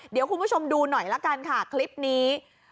เดี๋ยวคุณผู้ชมดูหน่อยละกันค่ะคลิปนี้